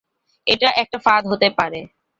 এটা একটা ফাঁদ হতে পারে।